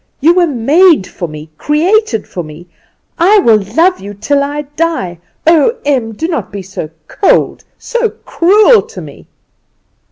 You were made for me, created for me! I will love you till I die! Oh, Em, do not be so cold, so cruel to me!"